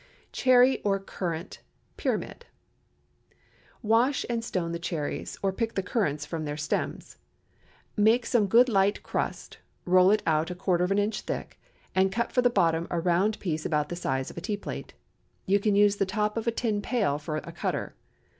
CHERRY OR CURRANT PYRAMID. ✠ Wash and stone the cherries, or pick the currants from their stems. Make some good light crust, roll it out a quarter of an inch thick, and cut for the bottom a round piece about the size of a tea plate. You can use the top of a tin pail for a cutter.